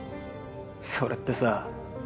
それってさ